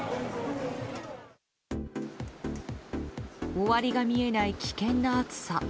終わりが見えない危険な暑さ。